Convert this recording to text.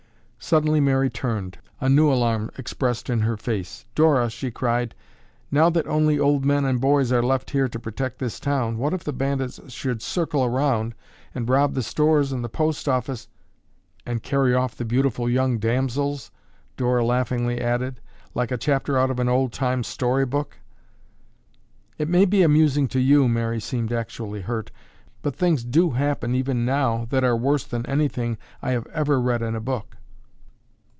Suddenly Mary turned, a new alarm expressed in her face. "Dora," she cried, "now that only old men and boys are left here to protect this town, what if the bandits should circle around and rob the stores and the post office—" "And carry off the beautiful young damsels," Dora laughingly added, "like a chapter out of an old time story book." "It may be amusing to you," Mary seemed actually hurt, "but things do happen even now that are worse than anything I ever read in a book."